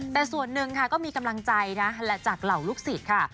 แต่ส่วนหนึ่งค่ะก็มีกำลังใจนะจากเหล่าลูกศิษย์ค่ะ